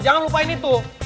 jangan lupain itu